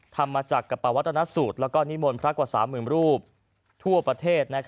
ทำมาจากกระปวัตนสูตรและนิมนต์พระกว่า๓๐๐๐รูปทั่วประเทศ